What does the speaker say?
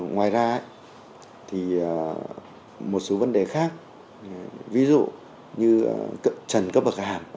ngoài ra một số vấn đề khác ví dụ như trần cấp bậc hạng